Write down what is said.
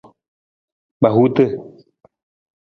Kpahuta.